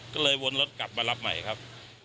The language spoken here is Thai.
ก็เลยวนรถกลับมารับใหม่ครับ